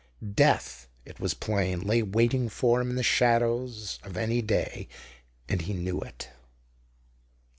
Death, it was plain, lay waiting for him in the shadows of any day and he knew it.